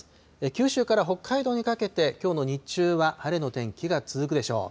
九州から北海道にかけて、きょうの日中は晴れの天気が続くでしょう。